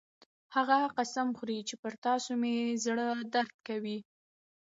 هغه قسم خوري چې پر تاسو مې زړه درد کوي